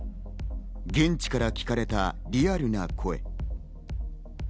現地から聞かれたリアルな声。